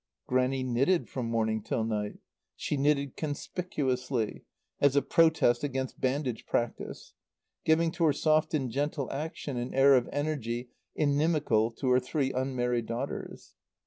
Grannie knitted from morning till night. She knitted conspicuously, as a protest against bandage practice; giving to her soft and gentle action an air of energy inimical to her three unmarried daughters.